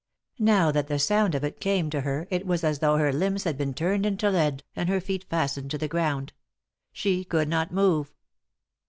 Now that the sound of it came to her it was as though her limbs had been turned into lead, and her feet fastened to the ground ; she could not move.